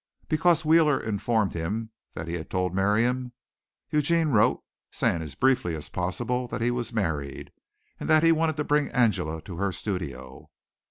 Because Wheeler informed him that he had told Miriam, Eugene wrote, saying as briefly as possible that he was married and that he wanted to bring Angela to her studio.